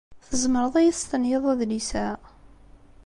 Tzemreḍ ad iyi-testenyiḍ adlis-a?